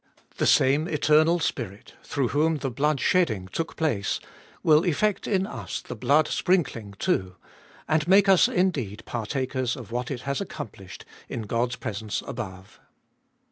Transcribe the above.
The same Eternal Spirit, through whom the blood shedding took place, will effect in us the blood sprinkling too, and make us indeed partakers of what it has accomplished in God's presence above.